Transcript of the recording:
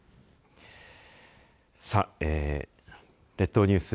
さあ列島ニュース